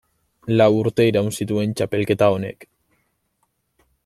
Lau urte iraun zituen txapelketa honek.